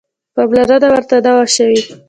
پاملرنه ورته نه وه شوې.